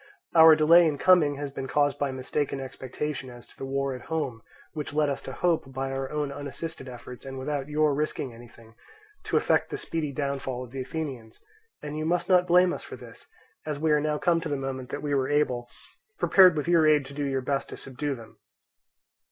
Our delay in coming has been caused by mistaken expectations as to the war at home, which led us to hope, by our own unassisted efforts and without your risking anything, to effect the speedy downfall of the Athenians; and you must not blame us for this, as we are now come the moment that we were able, prepared with your aid to do our best to subdue them.